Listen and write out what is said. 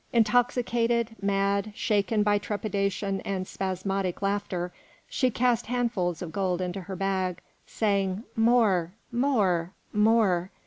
Intoxicated, mad, shaken by trepidation and spasmodic laughter, she cast handfuls of gold into her bag, saying, "More! more! more!"